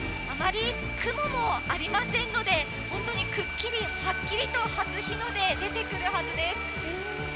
あまり雲もありませんので、くっきり、はっきりと初日の出、出てくるはずです。